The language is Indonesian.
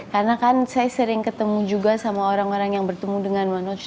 karena kan saya sering ketemu juga sama orang orang yang bertemu dengan manoj